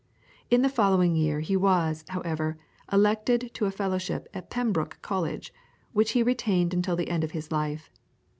In the following year he was, however, elected to a Fellowship at Pembroke College, which he retained until the end of his life.